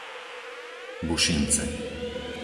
Bušince